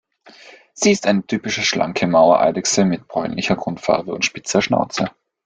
Sie ist eine typische schlanke Mauereidechse mit bräunlicher Grundfarbe und spitzer Schnauze.